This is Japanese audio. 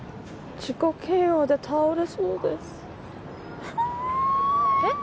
自己嫌悪で倒れそうですえっ？